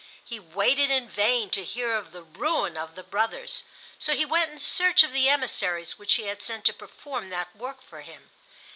He waited in vain to hear of the ruin of the brothers, so he went in search of the emissaries which he had sent to perform that work for him.